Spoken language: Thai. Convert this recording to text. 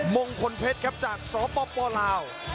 มงคลเพชรครับจากสปลาว